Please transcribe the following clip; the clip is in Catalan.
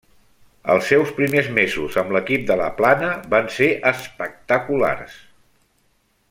Els seus primer mesos amb l'equip de La Plana van ser espectaculars.